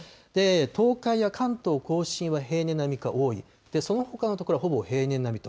東海や関東甲信は平年並みか多い、そのほかの所はほぼ平年並みと。